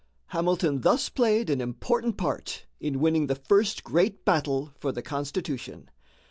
Hamilton thus played an important part in winning the first great battle for the Constitution.